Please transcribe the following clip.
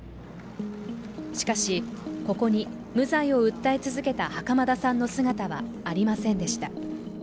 しかし、ここに無罪を訴え続けた袴田さんの姿はありませんでした。